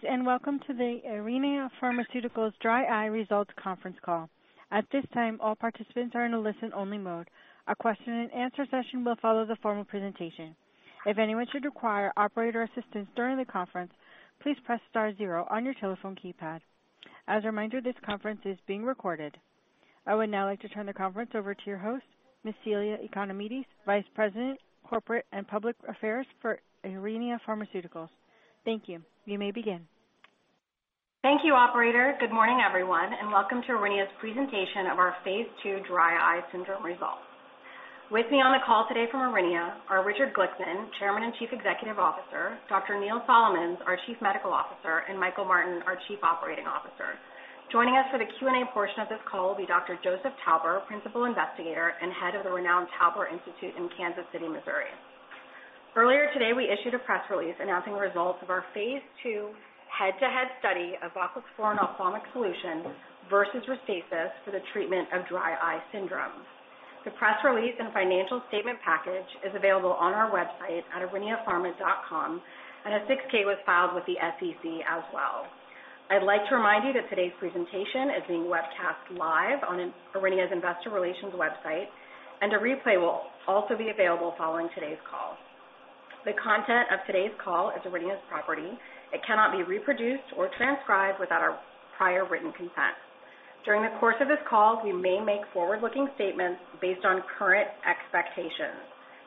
Greetings, welcome to the Aurinia Pharmaceuticals Dry Eye Results Conference Call. At this time, all participants are in a listen-only mode. A question-and-answer session will follow the formal presentation. If anyone should require operator assistance during the conference, please press star zero on your telephone keypad. As a reminder, this conference is being recorded. I would now like to turn the conference over to your host, Miss Celia Economides, Vice President, Corporate and Public Affairs for Aurinia Pharmaceuticals. Thank you. You may begin. Thank you, operator. Good morning, everyone, welcome to Aurinia's presentation of our Phase II Dry Eye Syndrome results. With me on the call today from Aurinia are Richard Glickman, Chairman and Chief Executive Officer, Dr. Neil Solomons, our Chief Medical Officer, and Michael Martin, our Chief Operating Officer. Joining us for the Q&A portion of this call will be Dr. Joseph Tauber, Principal Investigator and head of the renowned Tauber Eye Center in Kansas City, Missouri. Earlier today, we issued a press release announcing the results of our Phase II head-to-head study of voclosporin ophthalmic solution versus RESTASIS for the treatment of dry eye syndrome. The press release and financial statement package is available on our website at auriniapharma.com. A 6-K was filed with the SEC as well. I'd like to remind you that today's presentation is being webcast live on Aurinia's investor relations website. A replay will also be available following today's call. The content of today's call is Aurinia's property. It cannot be reproduced or transcribed without our prior written consent. During the course of this call, we may make forward-looking statements based on current expectations.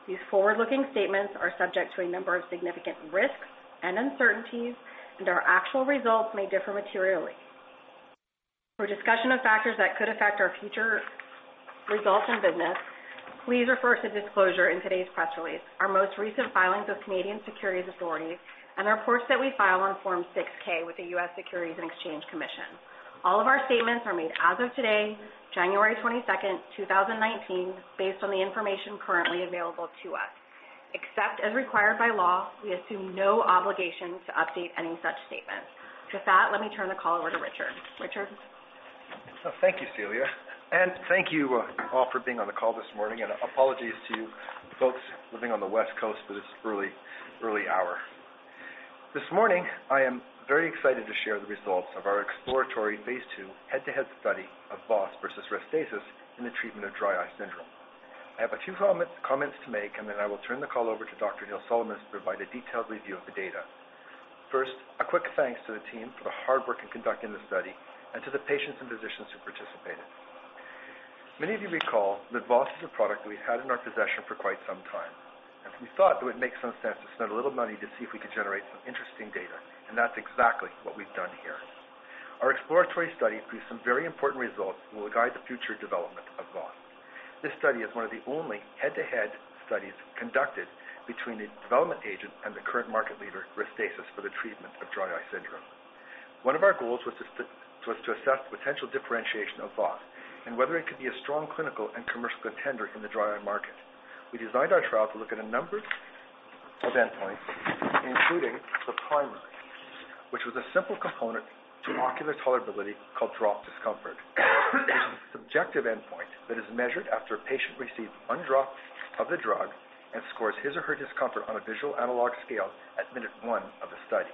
These forward-looking statements are subject to a number of significant risks and uncertainties. Our actual results may differ materially. For discussion of factors that could affect our future results and business, please refer to disclosure in today's press release, our most recent filings with Canadian securities authorities, and our reports that we file on Form 6-K with the U.S. Securities and Exchange Commission. All of our statements are made as of today, January 22nd, 2019, based on the information currently available to us. Except as required by law, we assume no obligations to update any such statements. With that, let me turn the call over to Richard. Richard? Thank you, Celia, and thank you all for being on the call this morning. Apologies to you folks living on the West Coast for this early hour. This morning, I am very excited to share the results of our exploratory phase II head-to-head study of VOS versus RESTASIS in the treatment of dry eye syndrome. I have a few comments to make, then I will turn the call over to Dr. Neil Solomons to provide a detailed review of the data. First, a quick thanks to the team for the hard work in conducting the study and to the patients and physicians who participated. Many of you recall that VOS is a product that we've had in our possession for quite some time, we thought that it would make some sense to spend a little money to see if we could generate some interesting data. That's exactly what we've done here. Our exploratory study produced some very important results that will guide the future development of VOS. This study is one of the only head-to-head studies conducted between a development agent and the current market leader, RESTASIS, for the treatment of dry eye syndrome. One of our goals was to assess the potential differentiation of VOS and whether it could be a strong clinical and commercial contender in the dry eye market. We designed our trial to look at a number of endpoints, including the primary, which was a simple component to ocular tolerability called drop discomfort. It's a subjective endpoint that is measured after a patient receives one drop of the drug and scores his or her discomfort on a Visual Analog Scale at minute one of the study.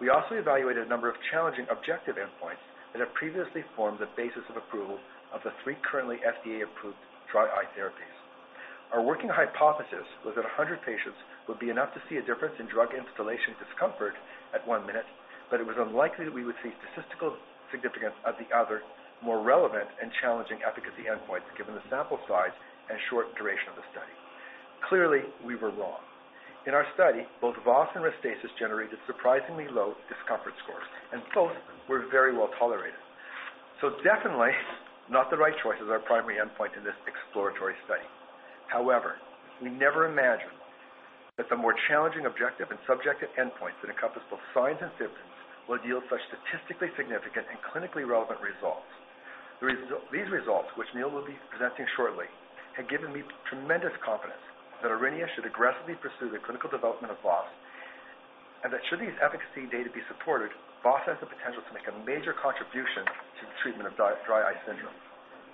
We also evaluated a number of challenging objective endpoints that have previously formed the basis of approval of the three currently FDA-approved dry eye therapies. Our working hypothesis was that 100 patients would be enough to see a difference in drug installation discomfort at one minute, it was unlikely that we would see statistical significance of the other, more relevant and challenging efficacy endpoints, given the sample size and short duration of the study. Clearly, we were wrong. In our study, both VOS and RESTASIS generated surprisingly low discomfort scores, both were very well tolerated. Definitely not the right choice as our primary endpoint in this exploratory study. However, we never imagined that the more challenging objective and subjective endpoints that encompass both signs and symptoms would yield such statistically significant and clinically relevant results. These results, which Neil will be presenting shortly, have given me tremendous confidence that Aurinia should aggressively pursue the clinical development of VOS, should these efficacy data be supported, VOS has the potential to make a major contribution to the treatment of dry eye syndrome.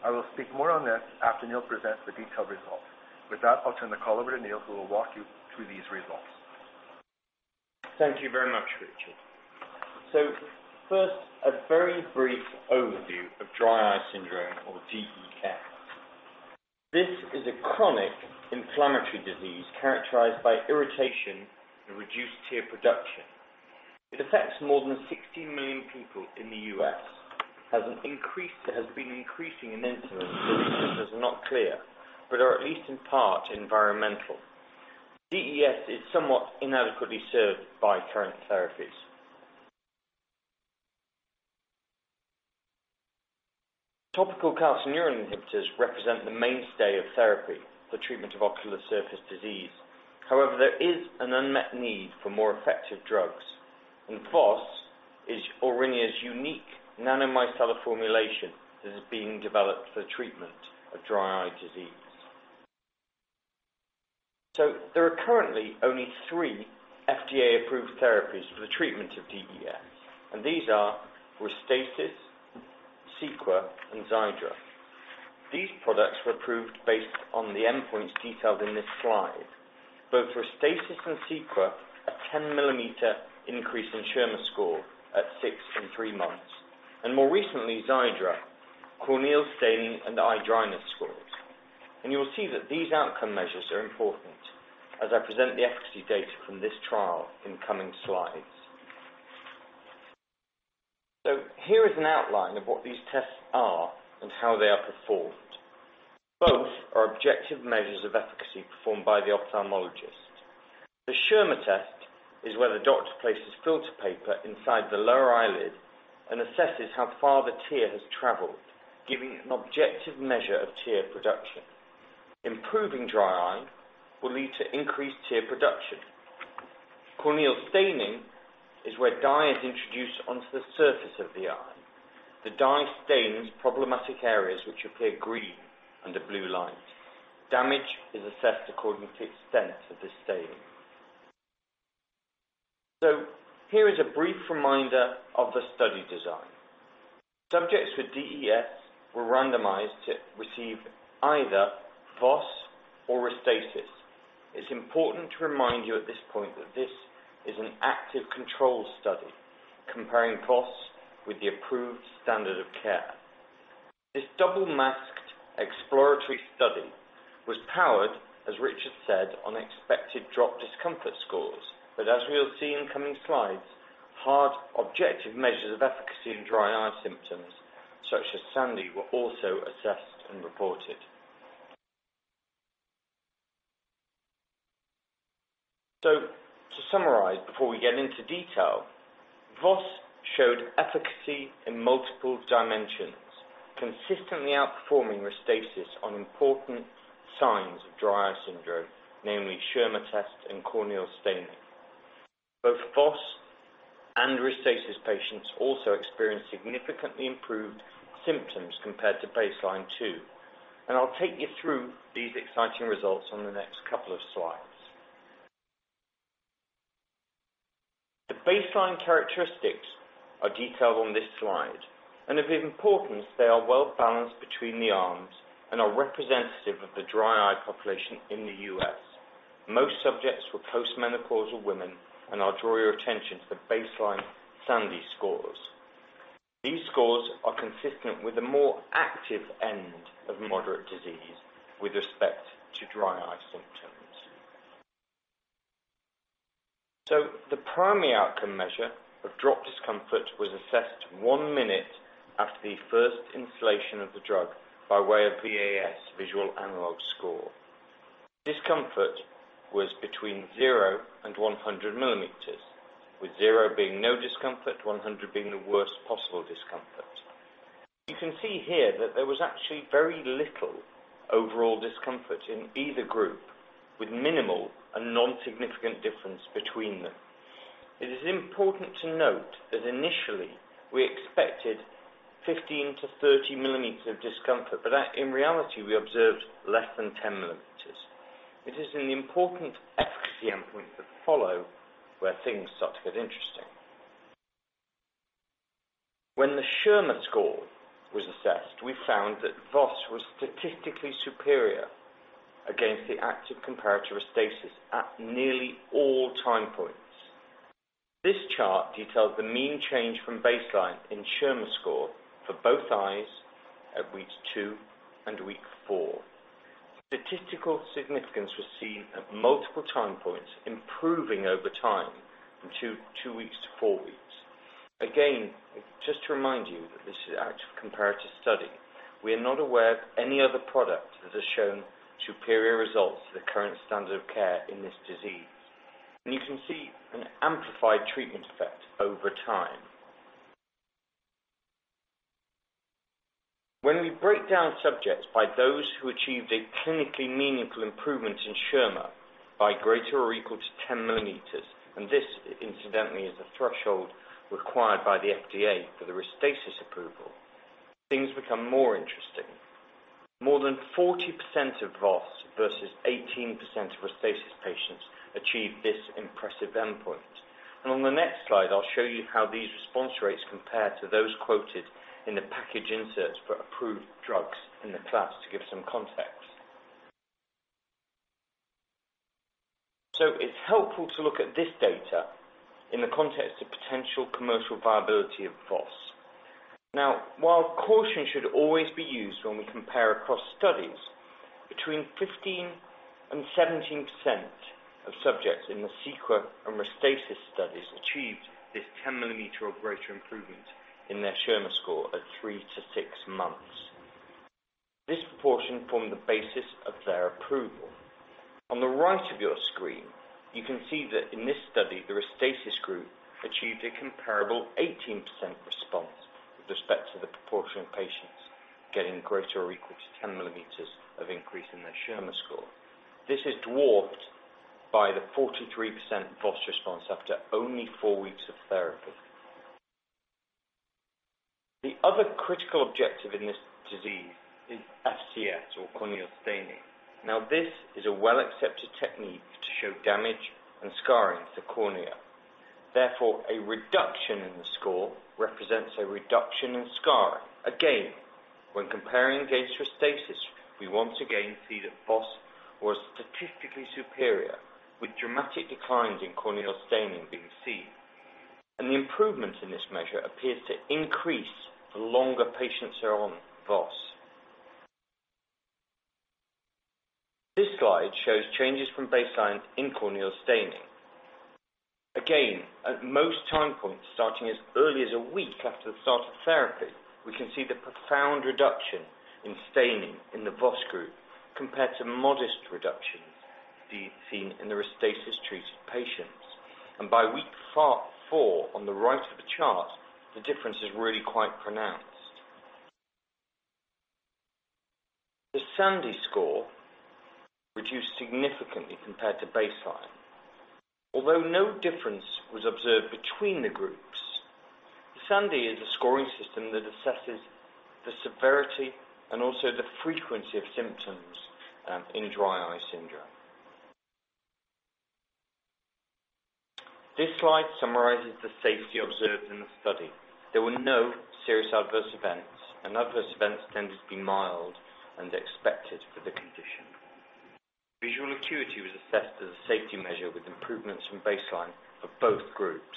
I will speak more on this after Neil presents the detailed results. With that, I'll turn the call over to Neil, who will walk you through these results. Thank you very much, Richard. First, a very brief overview of dry eye syndrome, or DES. This is a chronic inflammatory disease characterized by irritation and reduced tear production. It affects more than 16 million people in the U.S., has been increasing in incidence, but the reasons are not clear, but are at least in part environmental. DES is somewhat inadequately served by current therapies. Topical calcineurin inhibitors represent the mainstay of therapy for treatment of ocular surface disease. However, there is an unmet need for more effective drugs, and VOS is Aurinia's unique nanomicellar formulation that is being developed for treatment of dry eye disease. There are currently only three FDA-approved therapies for the treatment of DES, and these are RESTASIS CEQUA and Xiidra. These products were approved based on the endpoints detailed in this slide. Both RESTASIS and CEQUA, a 10-millimeter increase in Schirmer score at six and three months, and more recently, Xiidra, corneal staining and eye dryness scores. You'll see that these outcome measures are important as I present the efficacy data from this trial in coming slides. Here is an outline of what these tests are and how they are performed. Both are objective measures of efficacy performed by the ophthalmologist. The Schirmer test is where the doctor places filter paper inside the lower eyelid and assesses how far the tear has traveled, giving an objective measure of tear production. Improving dry eye will lead to increased tear production. Corneal staining is where dye is introduced onto the surface of the eye. The dye stains problematic areas which appear green under blue light. Damage is assessed according to extent of the staining. Here is a brief reminder of the study design. Subjects with DES were randomized to receive either VOS or RESTASIS. It's important to remind you at this point that this is an active control study comparing VOS with the approved standard of care. This double-masked exploratory study was powered, as Richard said, on expected drop discomfort scores. As we'll see in coming slides, hard objective measures of efficacy in dry eye symptoms, such as SANDE, were also assessed and reported. To summarize before we get into detail, VOS showed efficacy in multiple dimensions, consistently outperforming RESTASIS on important signs of dry eye syndrome, namely Schirmer test and corneal staining. Both VOS and RESTASIS patients also experienced significantly improved symptoms compared to baseline, too, and I'll take you through these exciting results on the next couple of slides. The baseline characteristics are detailed on this slide, and of importance, they are well-balanced between the arms and are representative of the dry eye population in the U.S. Most subjects were post-menopausal women, and I'll draw your attention to the baseline SANDE scores. These scores are consistent with the more active end of moderate disease with respect to dry eye symptoms. The primary outcome measure of drop discomfort was assessed one minute after the first installation of the drug by way of VAS, Visual Analog Scale. Discomfort was between zero and 100 millimeters, with zero being no discomfort, 100 being the worst possible discomfort. You can see here that there was actually very little overall discomfort in either group, with minimal and non-significant difference between them. It is important to note that initially, we expected 15-30 millimeters of discomfort, but in reality, we observed less than 10 millimeters. It is in the important efficacy endpoints that follow where things start to get interesting. When the Schirmer score was assessed, we found that VOS was statistically superior against the active comparator, RESTASIS, at nearly all time points. This chart details the mean change from baseline in Schirmer score for both eyes at weeks two and week four. Statistical significance was seen at multiple time points, improving over time from two weeks to four weeks. Again, just to remind you that this is an active comparator study. We are not aware of any other product that has shown superior results to the current standard of care in this disease. You can see an amplified treatment effect over time. When we break down subjects by those who achieved a clinically meaningful improvement in Schirmer by greater or equal to 10 millimeters, and this incidentally, is the threshold required by the FDA for the RESTASIS approval, things become more interesting. More than 40% of VOS versus 18% of RESTASIS patients achieved this impressive endpoint. On the next slide, I'll show you how these response rates compare to those quoted in the package inserts for approved drugs in the class to give some context. It's helpful to look at this data in the context of potential commercial viability of VOS. While caution should always be used when we compare across studies, between 15% and 17% of subjects in the Cequa and RESTASIS studies achieved this 10 millimeter or greater improvement in their Schirmer score at 3-6 months. This proportion formed the basis of their approval. On the right of your screen, you can see that in this study, the RESTASIS group achieved a comparable 18% response with respect to the proportion of patients getting greater or equal to 10 millimeters of increase in their Schirmer score. This is dwarfed by the 43% VOS response after only four weeks of therapy. The other critical objective in this disease is CFS or corneal staining. This is a well-accepted technique to show damage and scarring to cornea. Therefore, a reduction in the score represents a reduction in scarring. Again, when comparing against RESTASIS, we once again see that VOS was statistically superior, with dramatic declines in corneal staining being seen. The improvement in this measure appears to increase the longer patients are on VOS. This slide shows changes from baseline in corneal staining. Again, at most time points, starting as early as a week after the start of therapy, we can see the profound reduction in staining in the VOS group compared to modest reductions being seen in the RESTASIS-treated patients. By week four, on the right of the chart, the difference is really quite pronounced. The SANDE score reduced significantly compared to baseline, although no difference was observed between the groups. SANDE is a scoring system that assesses the severity and also the frequency of symptoms in dry eye syndrome. This slide summarizes the safety observed in the study. There were no serious adverse events, and adverse events tended to be mild and expected for the condition. Visual acuity was assessed as a safety measure with improvements from baseline of both groups.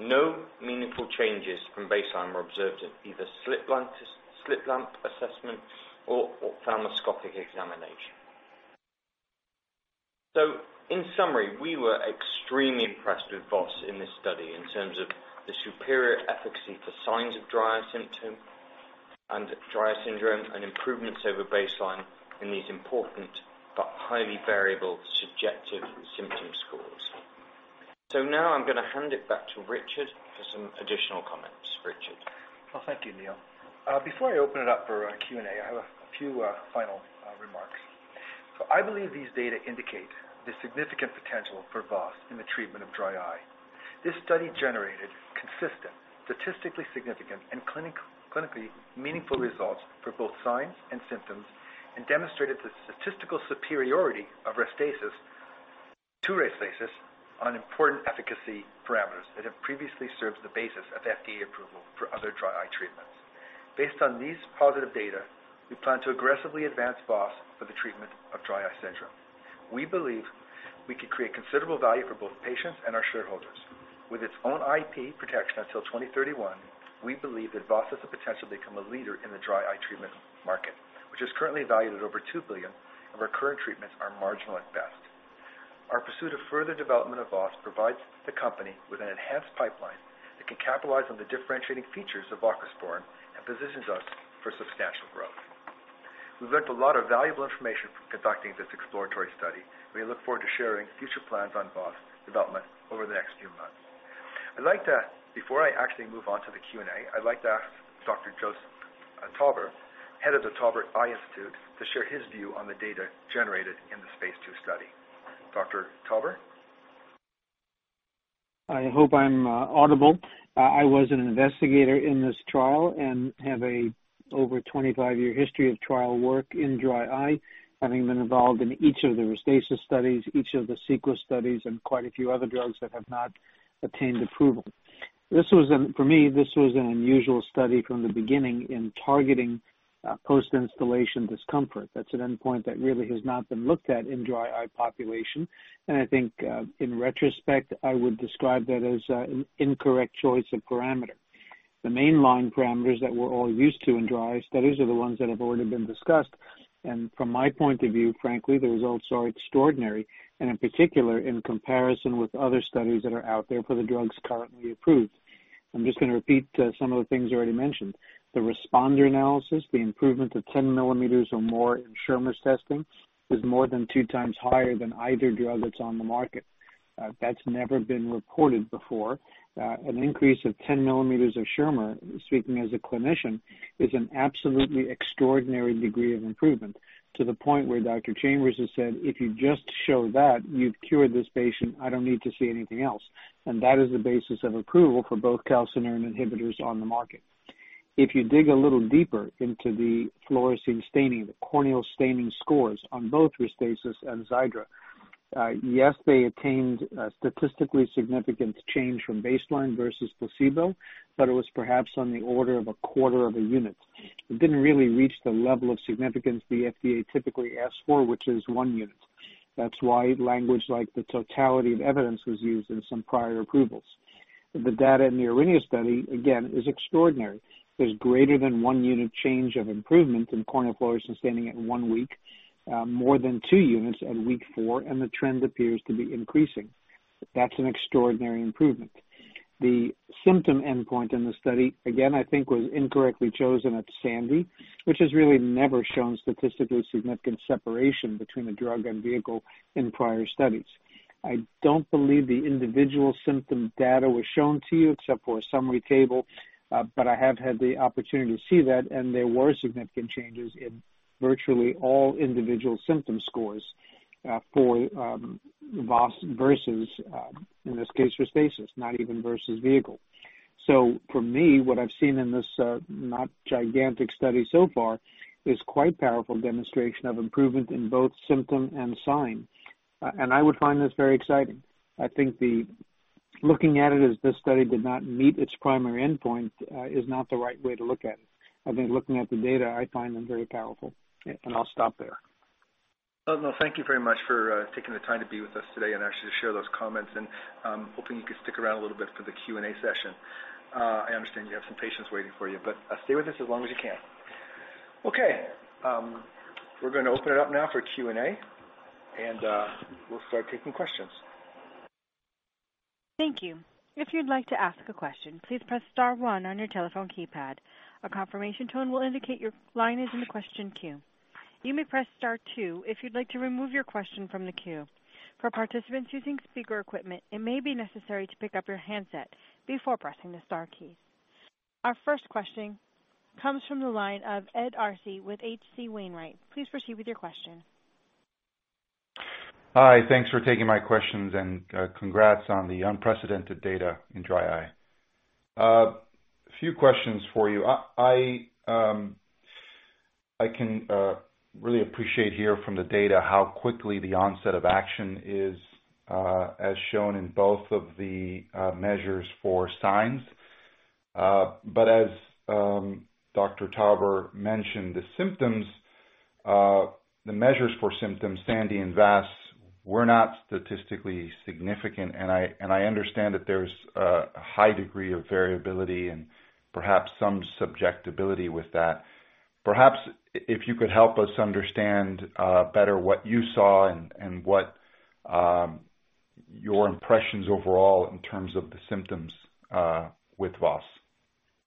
No meaningful changes from baseline were observed in either slit lamp assessment or ophthalmoscopic examination. In summary, we were extremely impressed with VOS in this study in terms of the superior efficacy for signs of dry eye symptom and dry eye syndrome, and improvements over baseline in these important but highly variable subjective symptom scores. Now I'm going to hand it back to Richard for some additional comments. Richard. Well, thank you, Neil. Before I open it up for Q&A, I have a few final remarks. I believe these data indicate the significant potential for VOS in the treatment of dry eye. This study generated consistent, statistically significant, and clinically meaningful results for both signs and symptoms, and demonstrated the statistical superiority of VOS to RESTASIS on important efficacy parameters that have previously served the basis of FDA approval for other dry eye treatments. Based on these positive data, we plan to aggressively advance VOS for the treatment of dry eye syndrome. We believe we can create considerable value for both patients and our shareholders. With its own IP protection until 2031, we believe that VOS has the potential to become a leader in the dry eye treatment market, which is currently valued at over $2 billion, and where current treatments are marginal at best. Our pursuit of further development of VOS provides the company with an enhanced pipeline that can capitalize on the differentiating features of voclosporin and positions us for substantial growth. We've learned a lot of valuable information from conducting this exploratory study. We look forward to sharing future plans on VOS development over the next few months. Before I actually move on to the Q&A, I'd like to ask Dr. Joseph Tauber, head of the Tauber Eye Center, to share his view on the data generated in the phase II study. Dr. Tauber? I hope I'm audible. I was an investigator in this trial and have an over 25-year history of trial work in dry eye, having been involved in each of the RESTASIS studies, each of the Cequa studies, and quite a few other drugs that have not obtained approval. For me, this was an unusual study from the beginning in targeting post-installation discomfort. That's an endpoint that really has not been looked at in dry eye population. I think, in retrospect, I would describe that as an incorrect choice of parameter. The mainline parameters that we're all used to in dry eye studies are the ones that have already been discussed. From my point of view, frankly, the results are extraordinary, and in particular, in comparison with other studies that are out there for the drugs currently approved. I'm just going to repeat some of the things already mentioned. The responder analysis, the improvement of 10 millimeters or more in Schirmer's testing, is more than 2 times higher than either drug that's on the market. That's never been reported before. An increase of 10 millimeters of Schirmer, speaking as a clinician, is an absolutely extraordinary degree of improvement to the point where Dr. Chambers has said, "If you just show that, you've cured this patient, I don't need to see anything else." That is the basis of approval for both Calcineurin inhibitors on the market. If you dig a little deeper into the fluorescein staining, the corneal staining scores on both RESTASIS and Xiidra, yes, they attained a statistically significant change from baseline versus placebo, it was perhaps on the order of a quarter of a unit. It didn't really reach the level of significance the FDA typically asks for, which is 1 unit. That's why language like the totality of evidence was used in some prior approvals. The data in the Aurinia study, again, is extraordinary. There's greater than 1 unit change of improvement in corneal fluorescein staining at 1 week, more than 2 units at week 4. The trend appears to be increasing. That's an extraordinary improvement. The symptom endpoint in the study, again, I think was incorrectly chosen at SANDE, which has really never shown statistically significant separation between the drug and vehicle in prior studies. I don't believe the individual symptom data was shown to you except for a summary table. I have had the opportunity to see that, and there were significant changes in virtually all individual symptom scores for VOS versus, in this case, RESTASIS, not even versus vehicle. For me, what I've seen in this not gigantic study so far is quite powerful demonstration of improvement in both symptom and sign. I would find this very exciting. I think looking at it as this study did not meet its primary endpoint is not the right way to look at it. I think looking at the data, I find them very powerful. I'll stop there. Oh, no. Thank you very much for taking the time to be with us today actually to share those comments. I'm hoping you could stick around a little bit for the Q&A session. I understand you have some patients waiting for you, stay with us as long as you can. Okay. We're going to open it up now for Q&A. We'll start taking questions. Thank you. If you'd like to ask a question, please press star one on your telephone keypad. A confirmation tone will indicate your line is in the question queue. You may press star two if you'd like to remove your question from the queue. For participants using speaker equipment, it may be necessary to pick up your handset before pressing the star keys. Our first question comes from the line of Ed Arce with H.C. Wainwright & Co. Please proceed with your question. Hi. Thanks for taking my questions. Congrats on the unprecedented data in dry eye. A few questions for you. I can really appreciate here from the data how quickly the onset of action is, as shown in both of the measures for signs. As Dr. Tauber mentioned, the symptoms, the measures for symptoms, SANDE and VAS, were not statistically significant. I understand that there's a high degree of variability and perhaps some subjectibility with that. Perhaps if you could help us understand better what you saw and what your impressions overall in terms of the symptoms with VOS.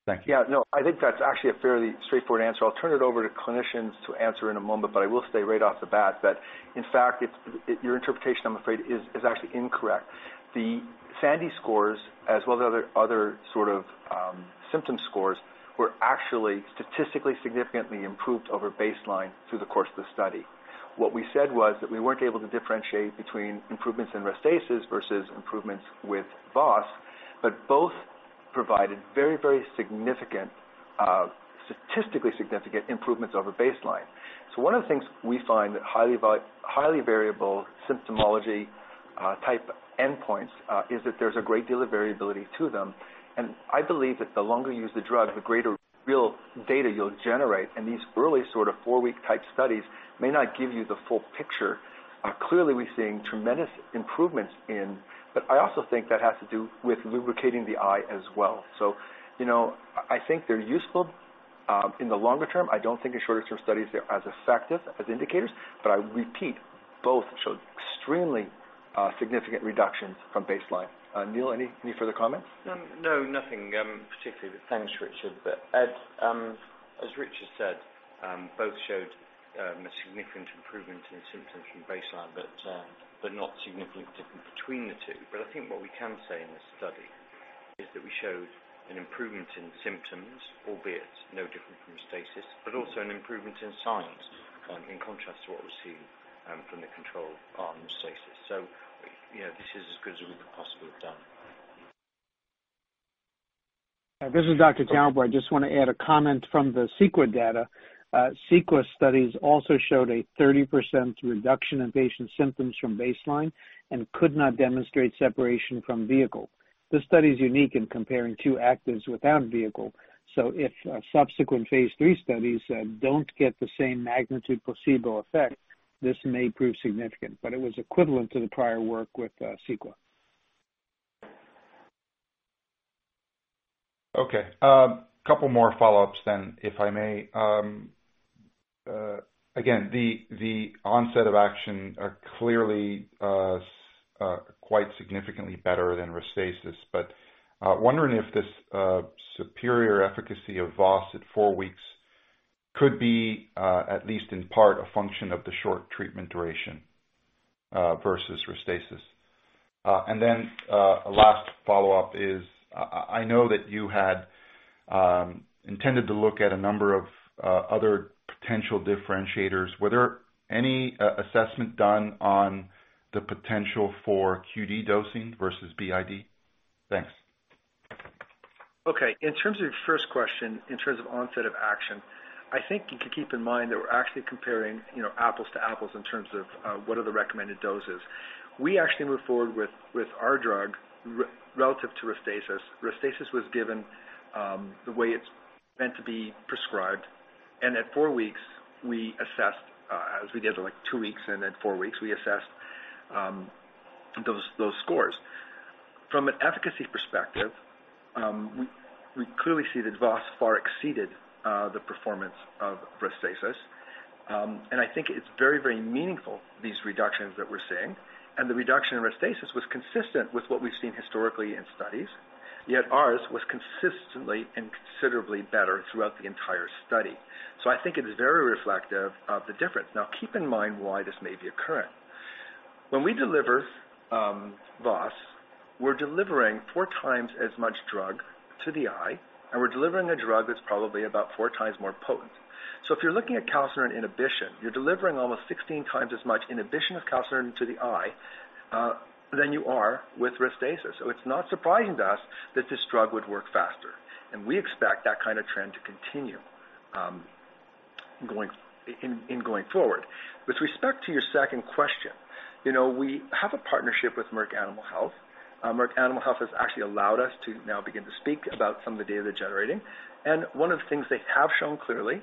Thank you. Yeah. No, I think that's actually a fairly straightforward answer. I'll turn it over to clinicians to answer in a moment. I will say right off the bat that, in fact, your interpretation, I'm afraid, is actually incorrect. The SANDE scores, as well as other sort of symptom scores, were actually statistically significantly improved over baseline through the course of the study. What we said was that we weren't able to differentiate between improvements in RESTASIS versus improvements with VOS. Both provided very significant, statistically significant improvements over baseline. One of the things we find that highly variable symptomology type endpoints is that there's a great deal of variability to them. I believe that the longer you use the drug, the greater real data you'll generate. These early sort of four-week type studies may not give you the full picture. Clearly, we're seeing tremendous improvements in, but I also think that has to do with lubricating the eye as well. I think they're useful in the longer term. I don't think in shorter term studies they're as effective as indicators. I repeat, both showed extremely significant reductions from baseline. Neil, any further comments? Nothing particularly, but thanks, Richard. Ed, as Richard said, both showed a significant improvement in symptoms from baseline, but not significant difference between the two. I think what we can say in this study is that we showed an improvement in symptoms, albeit no different from RESTASIS, but also an improvement in signs, in contrast to what we've seen from the control arm, RESTASIS. This is as good as we could possibly have done. This is Dr. Tauber. I just want to add a comment from the Cequa data. Cequa studies also showed a 30% reduction in patient symptoms from baseline and could not demonstrate separation from vehicle. This study is unique in comparing two actives without a vehicle. If subsequent phase III studies don't get the same magnitude placebo effect, this may prove significant, but it was equivalent to the prior work with Cequa. Okay. Couple more follow-ups then, if I may. Again, the onset of action are clearly quite significantly better than RESTASIS. Wondering if this superior efficacy of VOS at four weeks could be, at least in part, a function of the short treatment duration versus RESTASIS. A last follow-up is, I know that you had intended to look at a number of other potential differentiators. Were there any assessment done on the potential for QD dosing versus BID? Thanks. Okay. In terms of your first question, in terms of onset of action, I think you could keep in mind that we're actually comparing apples to apples in terms of what are the recommended doses. We actually moved forward with our drug relative to RESTASIS. RESTASIS was given the way it's meant to be prescribed. At four weeks, we assessed, as we did at two weeks and at four weeks, we assessed those scores. From an efficacy perspective, we clearly see that VOS far exceeded the performance of RESTASIS. I think it's very meaningful, these reductions that we're seeing. The reduction in RESTASIS was consistent with what we've seen historically in studies. Yet ours was consistently and considerably better throughout the entire study. I think it is very reflective of the difference. Now, keep in mind why this may be occurring. When we deliver VOS, we're delivering four times as much drug to the eye. We're delivering a drug that's probably about four times more potent. If you're looking at calcineurin inhibition, you're delivering almost 16 times as much inhibition of calcineurin to the eye than you are with RESTASIS. It's not surprising to us that this drug would work faster, and we expect that kind of trend to continue in going forward. With respect to your second question, we have a partnership with Merck Animal Health. Merck Animal Health has actually allowed us to now begin to speak about some of the data they're generating. One of the things they have shown clearly,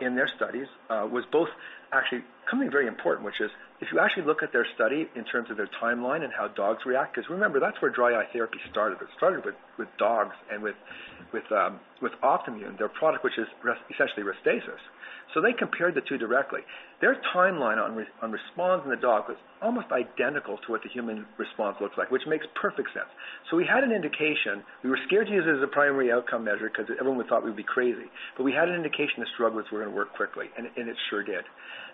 in their studies, was both actually something very important, which is if you actually look at their study in terms of their timeline and how dogs react, because remember, that's where dry eye therapy started. It started with dogs and with Optimmune, their product, which is essentially RESTASIS. They compared the two directly. Their timeline on response in the dog was almost identical to what the human response looks like, which makes perfect sense. We had an indication. We were scared to use it as a primary outcome measure because everyone would thought we'd be crazy. We had an indication this drug was going to work quickly, and it sure did.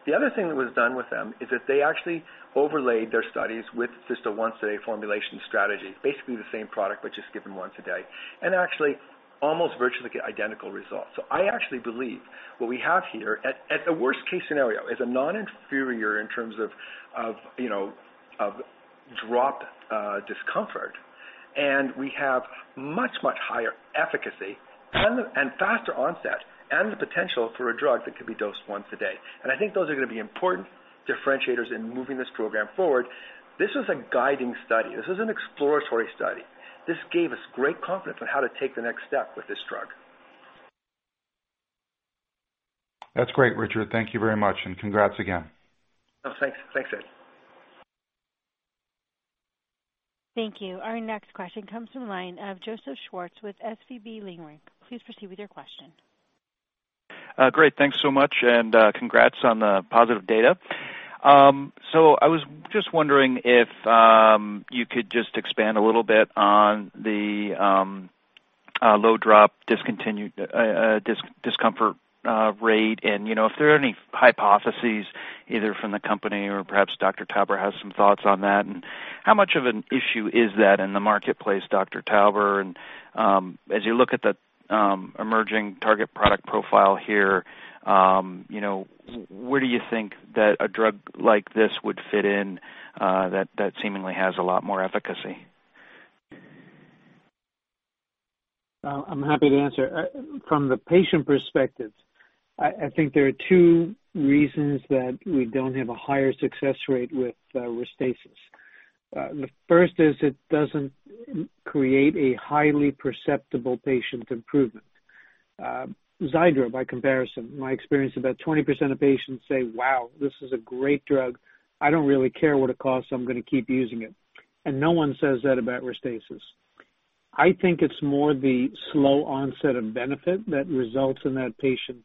The other thing that was done with them is that they actually overlaid their studies with just a once a day formulation strategy, basically the same product but just given once a day, and actually almost virtually identical results. I actually believe what we have here, at the worst case scenario, is a non-inferior in terms of drop discomfort, and we have much, much higher efficacy and faster onset and the potential for a drug that could be dosed once a day. I think those are going to be important differentiators in moving this program forward. This was a guiding study. This was an exploratory study. This gave us great confidence on how to take the next step with this drug. That's great, Richard. Thank you very much, and congrats again. Oh, thanks. Thanks, Ed. Thank you. Our next question comes from the line of Joseph Schwartz with SVB Leerink. Please proceed with your question. Great. Thanks so much, and congrats on the positive data. I was just wondering if you could just expand a little bit on the low drop discomfort rate and if there are any hypotheses, either from the company or perhaps Dr. Tauber has some thoughts on that, and how much of an issue is that in the marketplace, Dr. Tauber. As you look at the emerging target product profile here, where do you think that a drug like this would fit in, that seemingly has a lot more efficacy? I'm happy to answer. From the patient perspective, I think there are two reasons that we don't have a higher success rate with RESTASIS. The first is it doesn't create a highly perceptible patient improvement. Xiidra, by comparison, my experience, about 20% of patients say, "Wow, this is a great drug. I don't really care what it costs. I'm going to keep using it." No one says that about RESTASIS. I think it's more the slow onset of benefit that results in that patient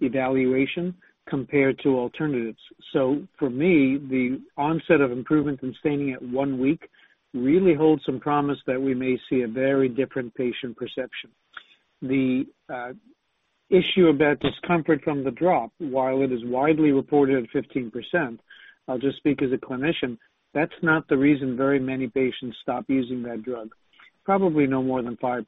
evaluation compared to alternatives. For me, the onset of improvement and sustaining at one week really holds some promise that we may see a very different patient perception. The issue about discomfort from the drop, while it is widely reported at 15%, I'll just speak as a clinician, that's not the reason very many patients stop using that drug. Probably no more than 5%.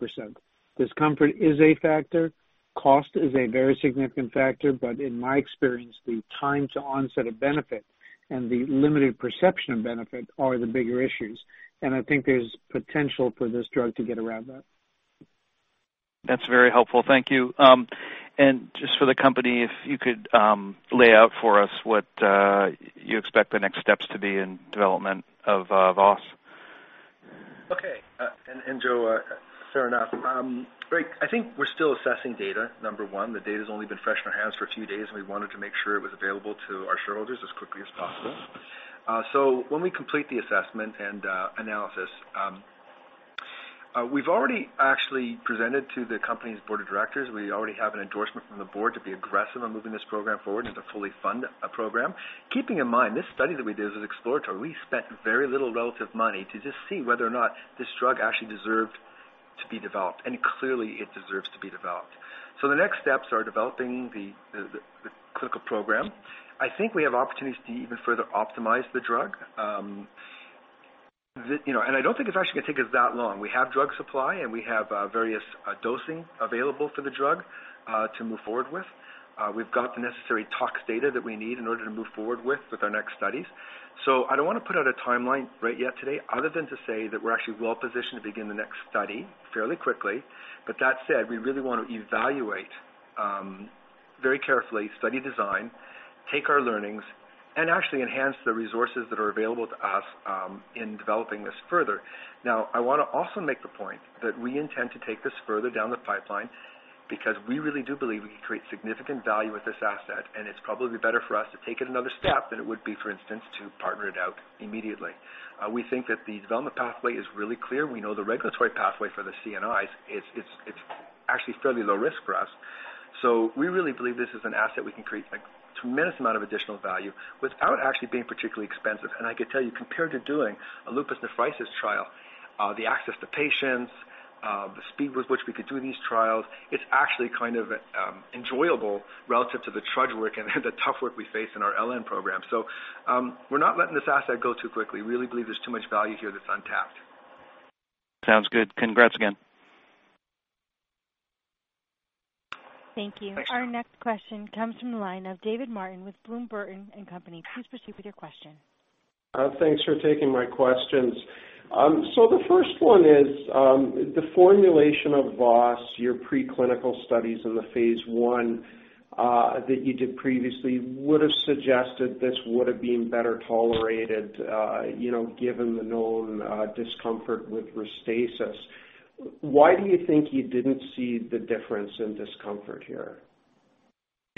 Discomfort is a factor. Cost is a very significant factor. In my experience, the time to onset of benefit and the limited perception of benefit are the bigger issues, and I think there's potential for this drug to get around that. That's very helpful. Thank you. Just for the company, if you could lay out for us what you expect the next steps to be in development of VOS. Okay. Joe, fair enough. Great. I think we're still assessing data, number 1. The data's only been fresh in our hands for two days, and we wanted to make sure it was available to our shareholders as quickly as possible. When we complete the assessment and analysis, we've already actually presented to the company's board of directors. We already have an endorsement from the board to be aggressive on moving this program forward and to fully fund a program. Keeping in mind, this study that we did was exploratory. We spent very little relative money to just see whether or not this drug actually deserved to be developed, and clearly it deserves to be developed. The next steps are developing the clinical program. I think we have opportunities to even further optimize the drug. I don't think it's actually going to take us that long. We have drug supply, we have various dosing available for the drug, to move forward with. We've got the necessary tox data that we need in order to move forward with our next studies. I don't want to put out a timeline right yet today other than to say that we're actually well positioned to begin the next study fairly quickly. That said, we really want to evaluate very carefully, study design, take our learnings, and actually enhance the resources that are available to us in developing this further. I want to also make the point that we intend to take this further down the pipeline because we really do believe we can create significant value with this asset, and it's probably better for us to take it another step than it would be, for instance, to partner it out immediately. We think that the development pathway is really clear. We know the regulatory pathway for the CNIs. It's actually fairly low risk for us. We really believe this is an asset we can create a tremendous amount of additional value without actually being particularly expensive. I could tell you, compared to doing a lupus nephritis trial, the access to patients, the speed with which we could do these trials, it's actually kind of enjoyable relative to the trudge work and the tough work we face in our LN program. We're not letting this asset go too quickly. We really believe there's too much value here that's untapped. Sounds good. Congrats again. Thank you. Thanks. Our next question comes from the line of David Martin with Bloom Burton & Co.. Please proceed with your question. Thanks for taking my questions. The first one is, the formulation of VOS, your preclinical studies in the phase I that you did previously would've suggested this would've been better tolerated, given the known discomfort with RESTASIS. Why do you think you didn't see the difference in discomfort here?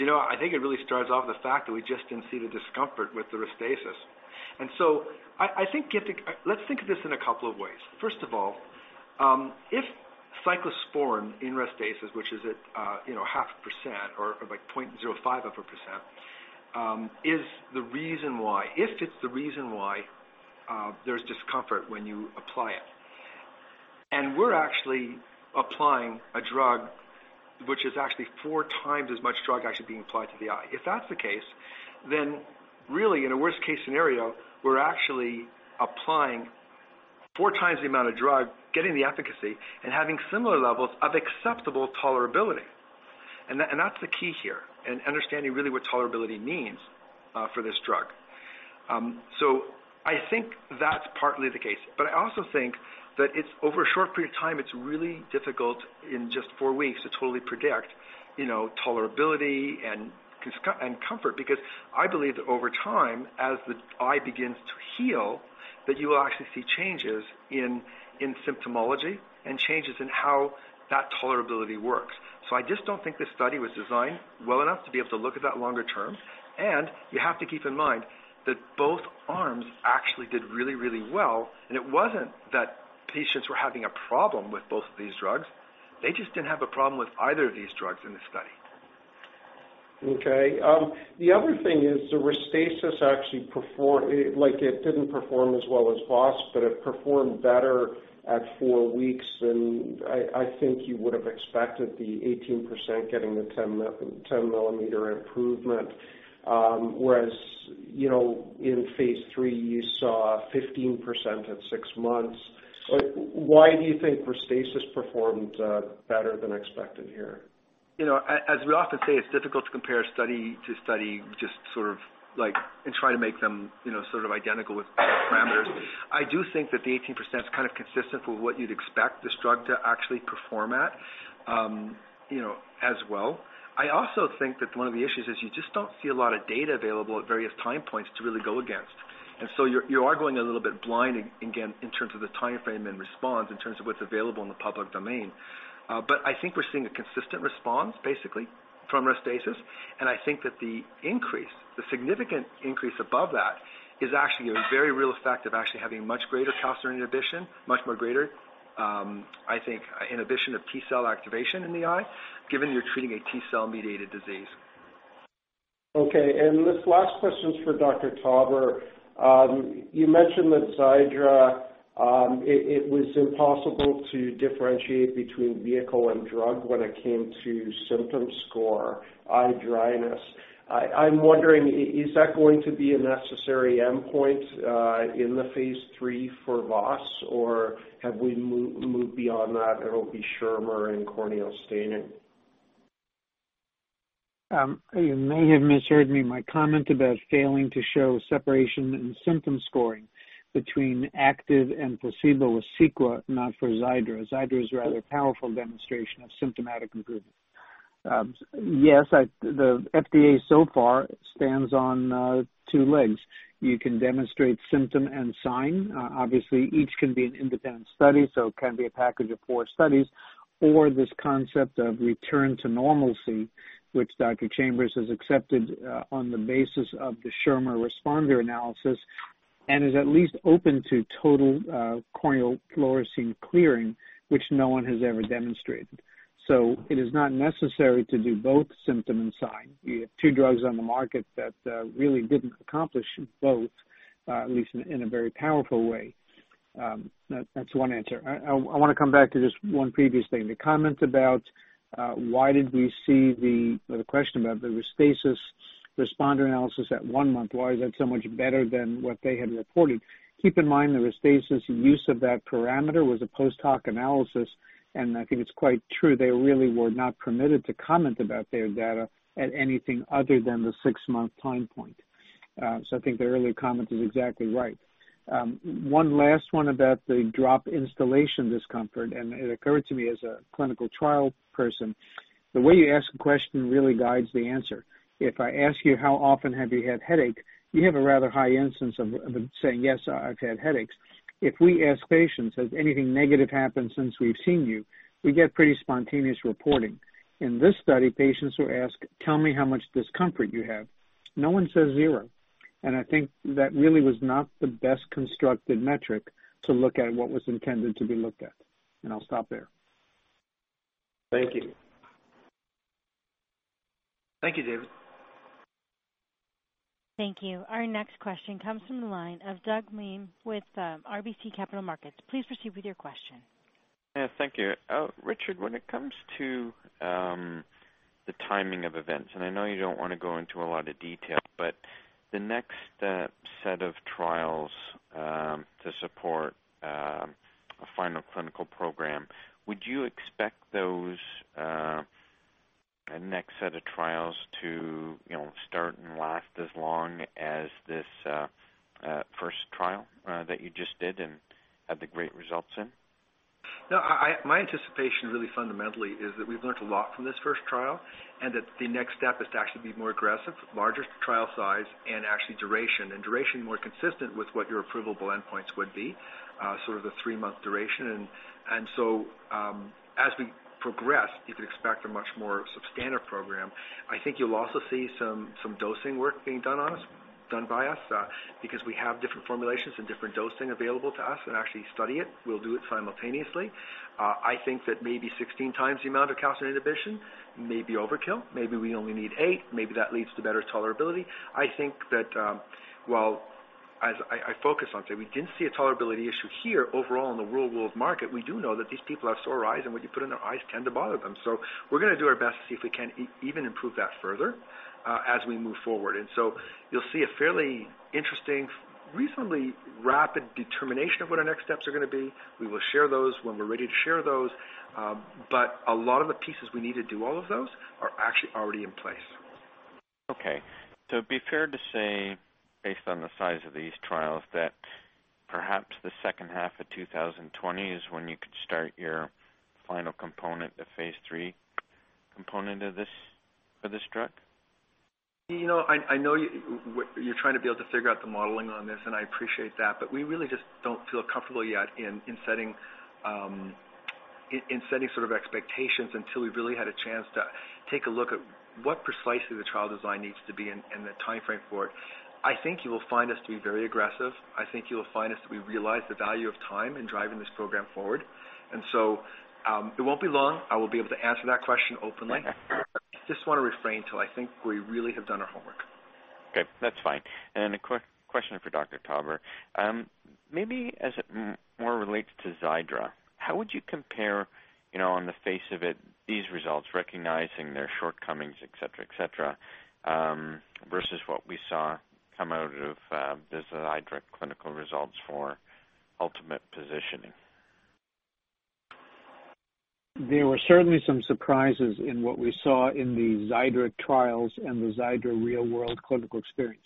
I think it really starts off with the fact that we just didn't see the discomfort with the RESTASIS. Let's think of this in a couple of ways. First of all, if cyclosporine in RESTASIS, which is at half a percent or 0.05%, is the reason why. If it's the reason why there's discomfort when you apply it, and we're actually applying a drug which is actually four times as much drug actually being applied to the eye. If that's the case, then really, in a worst-case scenario, we're actually applying four times the amount of drug, getting the efficacy, and having similar levels of acceptable tolerability. That's the key here, and understanding really what tolerability means for this drug. I think that's partly the case, but I also think that over a short period of time, it's really difficult in just four weeks to totally predict tolerability and comfort because I believe that over time, as the eye begins to heal, that you will actually see changes in symptomology and changes in how that tolerability works. I just don't think this study was designed well enough to be able to look at that longer term, and you have to keep in mind that both arms actually did really well, and it wasn't that patients were having a problem with both of these drugs. They just didn't have a problem with either of these drugs in the study. Okay. The other thing is the RESTASIS actually didn't perform as well as VOS, but it performed better at four weeks than I think you would've expected the 18% getting the 10-millimeter improvement, whereas, in Phase III you saw 15% at six months. Why do you think RESTASIS performed better than expected here? As we often say, it's difficult to compare study to study, and try to make them identical with parameters. I do think that the 18% is consistent with what you'd expect this drug to actually perform at as well. I also think that one of the issues is you just don't see a lot of data available at various time points to really go against. You are going a little bit blind, again, in terms of the timeframe and response in terms of what's available in the public domain. I think we're seeing a consistent response, basically, from RESTASIS, and I think that the increase, the significant increase above that, is actually a very real effect of actually having much greater calcineurin inhibition, much more greater, I think, inhibition of T-cell activation in the eye, given you're treating a T-cell-mediated disease. Okay. This last question's for Dr. Tauber. You mentioned that Xiidra, it was impossible to differentiate between vehicle and drug when it came to symptom score, eye dryness. I'm wondering, is that going to be a necessary endpoint in the phase III for VOS, or have we moved beyond that, it'll be Schirmer and corneal staining? You may have misheard me. My comment about failing to show separation in symptom scoring between active and placebo was Cequa, not for Xiidra. Xiidra is a rather powerful demonstration of symptomatic improvement. Yes, the FDA so far stands on two legs. You can demonstrate symptom and sign. Obviously, each can be an independent study, so it can be a package of four studies. Or this concept of return to normalcy, which Dr. Chambers has accepted on the basis of the Schirmer responder analysis and is at least open to total corneal fluorescein clearing, which no one has ever demonstrated. It is not necessary to do both symptom and sign. You have two drugs on the market that really didn't accomplish both, at least in a very powerful way. That's one answer. I want to come back to just one previous thing, the comment about why did we see the question about the RESTASIS responder analysis at one month. Why is that so much better than what they had reported? Keep in mind, the RESTASIS use of that parameter was a post hoc analysis, and I think it's quite true they really were not permitted to comment about their data at anything other than the six-month time point. I think the earlier comment is exactly right. One last one about the drop installation discomfort, and it occurred to me as a clinical trial person, the way you ask a question really guides the answer. If I ask you how often have you had headache, you have a rather high instance of saying, "Yes, I've had headaches." If we ask patients, "Has anything negative happened since we've seen you?" We get pretty spontaneous reporting. In this study, patients were asked, "Tell me how much discomfort you have." No one says zero, and I think that really was not the best constructed metric to look at what was intended to be looked at. I'll stop there. Thank you. Thank you, David. Thank you. Our next question comes from the line of Douglas Miehm with RBC Capital Markets. Please proceed with your question. Yeah, thank you. Richard, when it comes to the timing of events, I know you don't want to go into a lot of detail, but the next set of trials to support a final clinical program. Would you expect those next set of trials to start and last as long as this first trial that you just did and had the great results in? No. My anticipation really fundamentally is that we've learned a lot from this first trial and that the next step is to actually be more aggressive, larger trial size and actually duration. Duration more consistent with what your approvable endpoints would be, sort of the three-month duration. As we progress, you could expect a much more standard program. I think you'll also see some dosing work being done by us, because we have different formulations and different dosing available to us, and actually study it. We'll do it simultaneously. I think that maybe 16 times the amount of calcineurin inhibition may be overkill. Maybe we only need eight. Maybe that leads to better tolerability. I think that, while, as I focus on today, we didn't see a tolerability issue here overall in the real-world market, we do know that these people have sore eyes, and what you put in their eyes tend to bother them. We're going to do our best to see if we can even improve that further as we move forward. You'll see a fairly interesting, reasonably rapid determination of what our next steps are going to be. We will share those when we're ready to share those. A lot of the pieces we need to do all of those are actually already in place. Okay. It'd be fair to say, based on the size of these trials, that perhaps the second half of 2020 is when you could start your final component, the phase III component of this drug? I know you're trying to be able to figure out the modeling on this, and I appreciate that, but we really just don't feel comfortable yet in setting sort of expectations until we've really had a chance to take a look at what precisely the trial design needs to be and the timeframe for it. I think you will find us to be very aggressive. I think you will find us that we realize the value of time in driving this program forward. It won't be long. I will be able to answer that question openly. Just want to refrain till I think we really have done our homework. Okay, that's fine. A quick question for Dr. Tauber. Maybe as it more relates to Xiidra, how would you compare, on the face of it, these results, recognizing their shortcomings, et cetera, versus what we saw come out of the Xiidra clinical results for ultimate positioning? There were certainly some surprises in what we saw in the Xiidra trials and the Xiidra real-world clinical experience.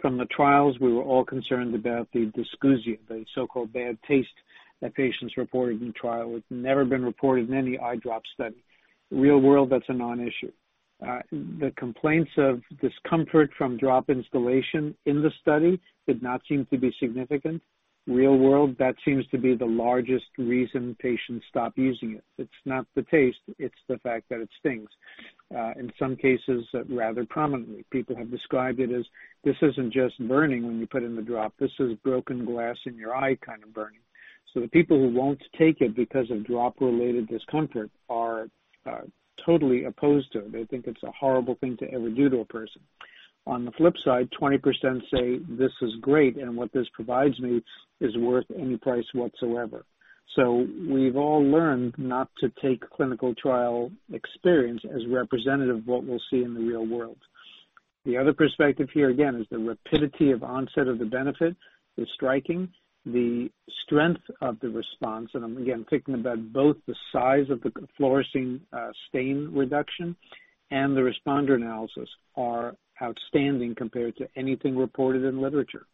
From the trials, we were all concerned about the dysgeusia, the so-called bad taste that patients reported in trial. It's never been reported in any eye drop study. Real world, that's a non-issue. The complaints of discomfort from drop instillation in the study did not seem to be significant. Real world, that seems to be the largest reason patients stop using it. It's not the taste, it's the fact that it stings. In some cases, rather prominently. People have described it as, "This isn't just burning when you put in the drop. This is broken glass in your eye kind of burning." The people who won't take it because of drop-related discomfort are totally opposed to it. They think it's a horrible thing to ever do to a person. On the flip side, 20% say, "This is great, and what this provides me is worth any price whatsoever." We've all learned not to take clinical trial experience as representative of what we'll see in the real world. The other perspective here, again, is the rapidity of onset of the benefit is striking. The strength of the response, and I'm, again, thinking about both the size of the fluorescein stain reduction and the responder analysis are outstanding compared to anything reported in literature.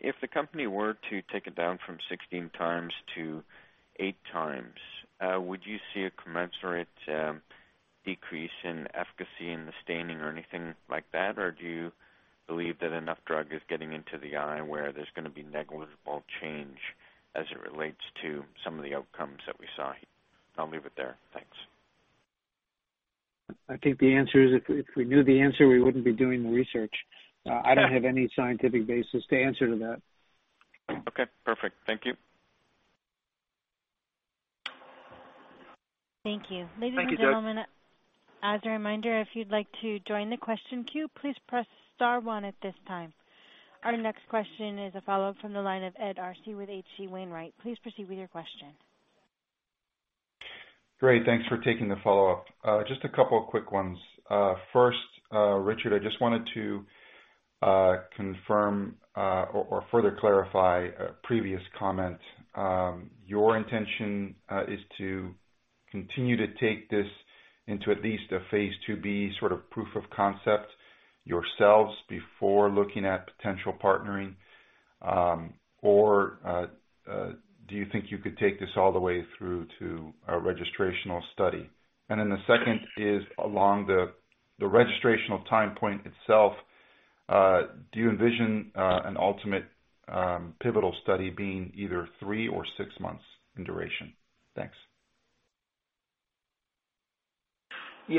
If the company were to take it down from 16 times to eight times, would you see a commensurate decrease in efficacy in the staining or anything like that? Or do you believe that enough drug is getting into the eye where there's going to be negligible change as it relates to some of the outcomes that we saw here? I'll leave it there. Thanks. I think the answer is, if we knew the answer, we wouldn't be doing the research. I don't have any scientific basis to answer to that. Okay, perfect. Thank you. Thank you. Thank you, Doug. Ladies and gentlemen, as a reminder, if you'd like to join the question queue, please press star one at this time. Our next question is a follow-up from the line of Ed Arce with H.C. Wainwright. Please proceed with your question. Great, thanks for taking the follow-up. Just a couple of quick ones. First, Richard, I just wanted to confirm or further clarify a previous comment. Your intention is to continue to take this into at least a phase IIb sort of proof of concept yourselves before looking at potential partnering. Do you think you could take this all the way through to a registrational study? The second is along the registrational time point itself. Do you envision an ultimate pivotal study being either three or six months in duration? Thanks.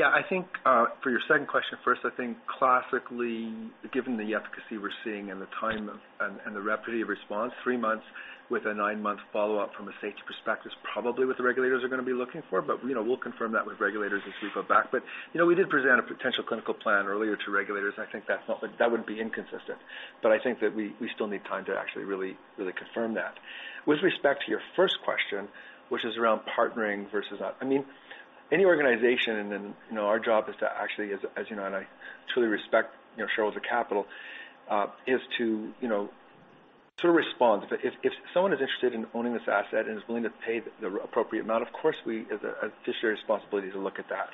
I think, for your second question first, I think classically, given the efficacy we're seeing and the time and the rapidity of response, three months with a nine-month follow-up from a safety perspective is probably what the regulators are going to be looking for. We'll confirm that with regulators as we go back. We did present a potential clinical plan earlier to regulators. I think that would be inconsistent. I think that we still need time to actually really confirm that. With respect to your first question, which is around partnering versus Any organization, and our job is to actually, as you know, and I truly respect shareholders' capital, is to respond. If someone is interested in owning this asset and is willing to pay the appropriate amount, of course, it's our fiduciary responsibility to look at that.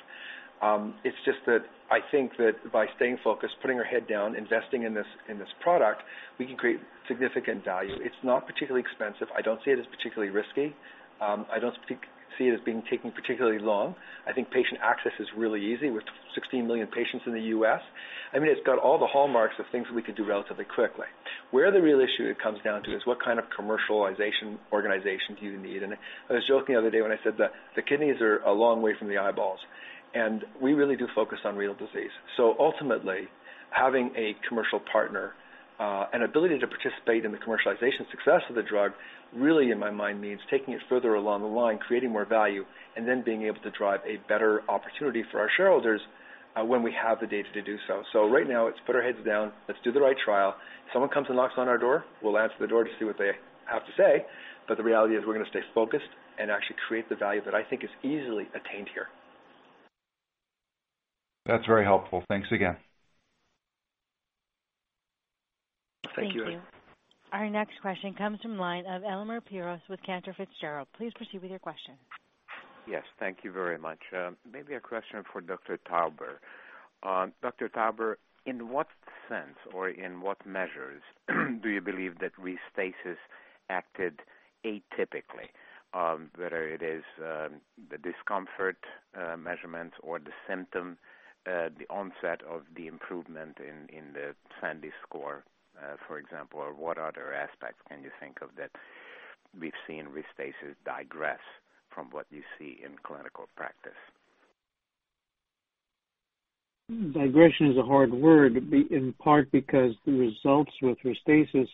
It's just that I think that by staying focused, putting our head down, investing in this product, we can create significant value. It's not particularly expensive. I don't see it as particularly risky. I don't see it as taking particularly long. I think patient access is really easy with 16 million patients in the U.S. It's got all the hallmarks of things that we could do relatively quickly. Where the real issue comes down to is what kind of commercialization organization do you need? I was joking the other day when I said that the kidneys are a long way from the eyeballs, and we really do focus on renal disease. Ultimately, having a commercial partner, an ability to participate in the commercialization success of the drug, really, in my mind, means taking it further along the line, creating more value, and then being able to drive a better opportunity for our shareholders when we have the data to do so. Right now it's put our heads down, let's do the right trial. Someone comes and knocks on our door, we'll answer the door to see what they have to say. The reality is we're going to stay focused and actually create the value that I think is easily attained here. That's very helpful. Thanks again. Thank you. Thank you. Our next question comes from the line of Louise Chen with Cantor Fitzgerald. Please proceed with your question. Yes, thank you very much. Maybe a question for Dr. Tauber. Dr. Tauber, in what sense or in what measures do you believe that RESTASIS acted atypically? Whether it is the discomfort measurements or the symptom, the onset of the improvement in the SANDE score, for example, or what other aspects can you think of that we've seen RESTASIS digress from what you see in clinical practice? Digression is a hard word, in part because the results with RESTASIS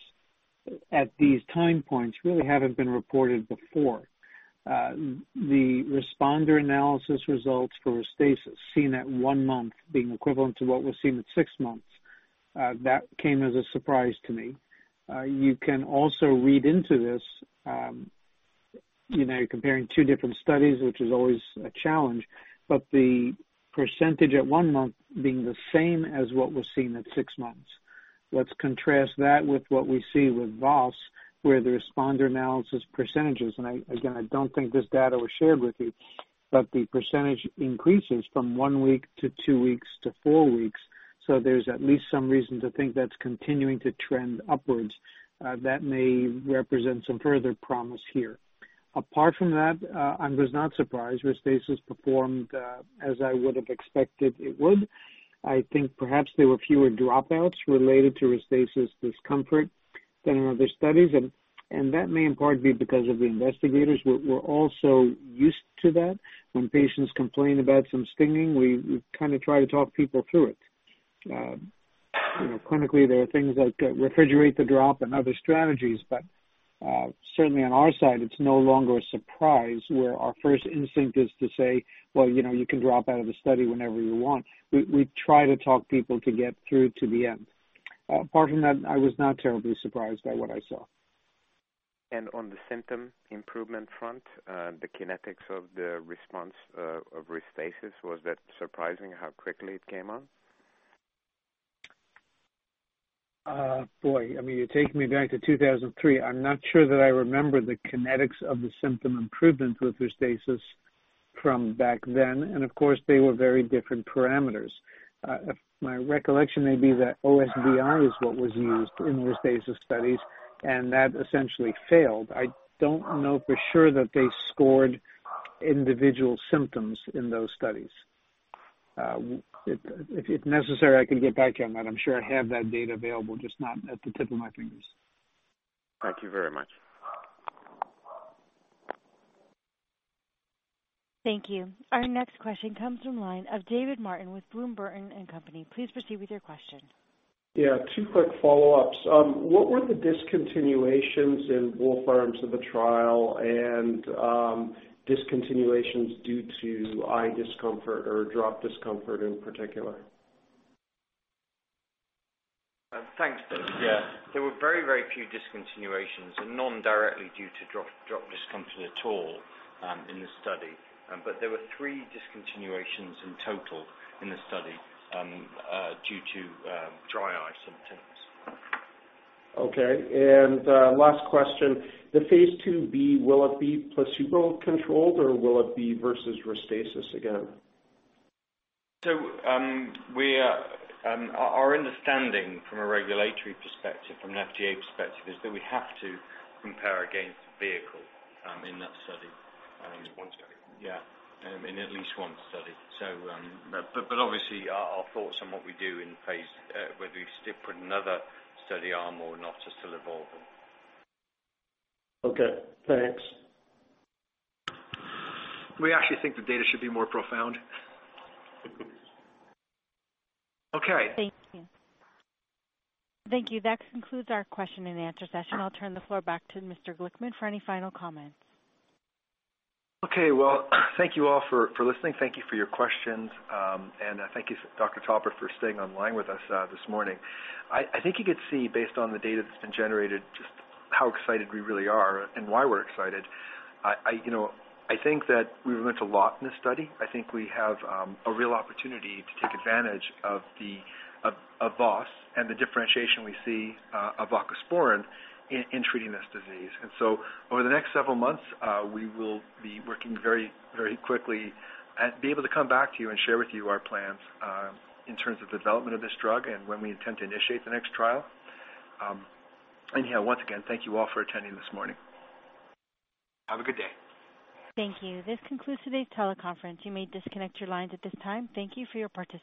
at these time points really haven't been reported before. The responder analysis results for RESTASIS seen at one month being equivalent to what was seen at six months. That came as a surprise to me. You can also read into this, comparing two different studies, which is always a challenge, but the percentage at one month being the same as what was seen at six months. Let's contrast that with what we see with VOS, where the responder analysis percentages, and again, I don't think this data was shared with you, but the percentage increases from one week to two weeks to four weeks. There's at least some reason to think that's continuing to trend upwards. That may represent some further promise here. Apart from that, I was not surprised. RESTASIS performed, as I would have expected it would. I think perhaps there were fewer dropouts related to RESTASIS discomfort than in other studies, and that may in part be because of the investigators. We're all so used to that. When patients complain about some stinging, we kind of try to talk people through it. Clinically, there are things like refrigerate the drop and other strategies, but, certainly on our side, it's no longer a surprise where our first instinct is to say, "Well, you can drop out of the study whenever you want." We try to talk people to get through to the end. Apart from that, I was not terribly surprised by what I saw. On the symptom improvement front, the kinetics of the response of RESTASIS, was that surprising how quickly it came on? Boy, you're taking me back to 2003. I'm not sure that I remember the kinetics of the symptom improvement with RESTASIS from back then, and of course, they were very different parameters. My recollection may be that OSDI is what was used in RESTASIS studies, and that essentially failed. I don't know for sure that they scored individual symptoms in those studies. If necessary, I can get back to you on that. I'm sure I have that data available, just not at the tip of my fingers. Thank you very much. Thank you. Our next question comes from the line of David Martin with Bloom Burton & Company. Please proceed with your question. two quick follow-ups. What were the discontinuations in both arms of the trial and discontinuations due to eye discomfort or drop discomfort in particular? Thanks, David. There were very, very few discontinuations and none directly due to drop discomfort at all in the study. There were three discontinuations in total in the study due to dry eye symptoms. Okay, last question. The phase IIb, will it be placebo-controlled, or will it be versus RESTASIS again? Our understanding from a regulatory perspective, from an FDA perspective, is that we have to compare against vehicle in that study. At least one study. Yeah, in at least one study. Obviously, our thoughts on what we do in phase, whether we still put another study arm or not are still evolving. Okay, thanks. We actually think the data should be more profound. Okay. Thank you. That concludes our question and answer session. I'll turn the floor back to Mr. Glickman for any final comments. Okay. Well, thank you all for listening. Thank you for your questions. Thank you, Dr. Tauber, for staying online with us this morning. I think you could see, based on the data that's been generated, just how excited we really are and why we're excited. I think that we've learned a lot in this study. I think we have a real opportunity to take advantage of VOS and the differentiation we see of voclosporin in treating this disease. Over the next several months, we will be working very quickly and be able to come back to you and share with you our plans in terms of development of this drug and when we intend to initiate the next trial. Anyhow, once again, thank you all for attending this morning. Have a good day. Thank you. This concludes today's teleconference. You may disconnect your lines at this time. Thank you for your participation.